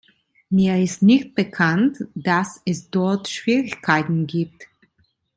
Mir ist nicht bekannt, dass es dort Schwierigkeiten gibt.